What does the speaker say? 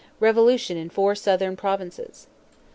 Revolution in four Southern provinces.